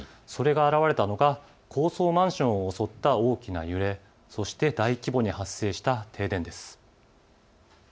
それが表れたのが高層マンションを襲った大きな揺れ、そして大規模に発生した停電です。